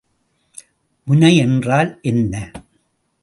முனை என்றால் என்ன?